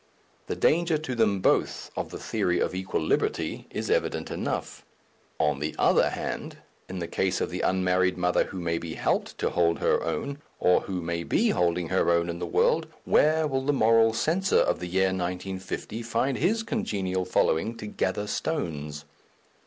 The danger to them both of the theory of equal liberty is evident enough. On the other hand, in the case of the unmarried mother who may be helped to hold her own, or who may be holding her own in the world, where will the moral censor of the year 1950 find his congenial following to gather stones?